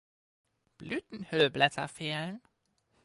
Blütenhüllblätter fehlen.